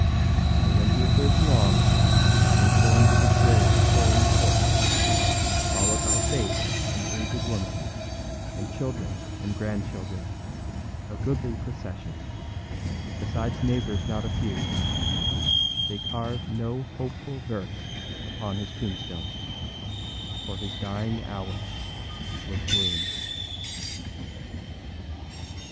And when he had lived long, and was borne to his grave a hoary corpse, followed by Faith, an aged woman, and children and grandchildren, a goodly procession, besides neighbors not a few, they carved no hopeful verse upon his tombstone, for his dying hour was gloom.